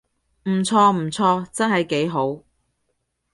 唔錯唔錯，真係幾好